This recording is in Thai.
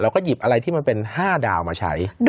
ก็หยิบอะไรที่มันเป็น๕ดาวมาใช้